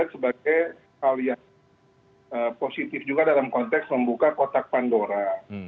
sebagai hal yang positif juga dalam konteks membuka kotak pandora